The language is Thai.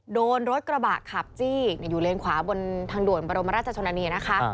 โดนรถกระบะขับจี้อยู่เลนขวาบนทางด่วนบรมราชชนนานีนะคะ